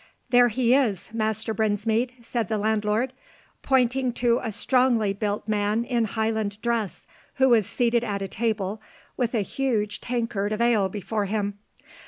"There he is, Master Brinsmead!" said the landlord, pointing to a strongly built man in Highland dress, who was seated at a table, with a huge tankard of ale before him.